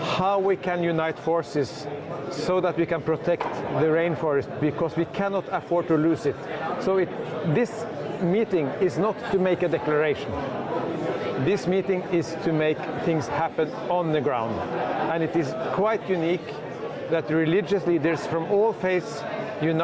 bagaimana kita bisa menggabungkan pasukan agar kita bisa melindungi hutan hujan karena kita tidak bisa lupakan